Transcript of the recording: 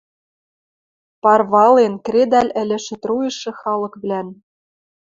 Парвален, кредӓл ӹлӹшӹ труйышы халыквлӓн